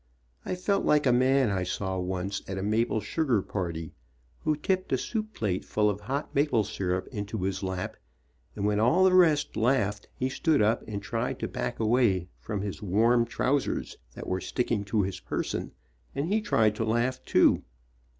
I felt like a man I saw once at a maple sugar party, who tipped a soup plate full of hot maple syrup into his lap, and when all the rest laughed he stood up and tried to back away from THE YELLOW SHOE PERIOD 33 his warm trousers, that were sticking to his person, and he tried to laugh, too.